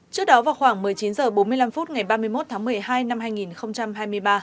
trước đó vào khoảng một mươi chín h bốn mươi năm phút ngày ba mươi một tháng một mươi hai năm hai nghìn hai mươi ba